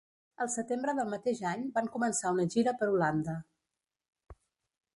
Al setembre del mateix any van començar una gira per Holanda.